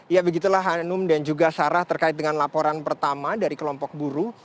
ya begitulah hanum dan juga sarah terkait dengan laporan pertama dari kelompok buruh